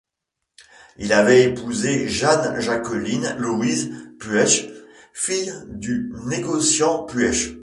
Il avait épousé Jeanne Jacqueline Louise Puech, fille du négociant Puech.